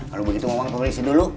kalau begitu ngomong ngomong disini dulu